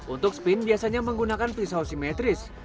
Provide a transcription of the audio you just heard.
untuk spin biasanya menggunakan pisau simetris